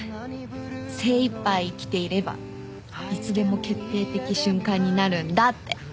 精いっぱい生きていればいつでも決定的瞬間になるんだって。